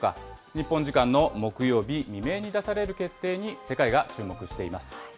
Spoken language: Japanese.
日本時間の木曜日未明に出される決定に、世界が注目しています。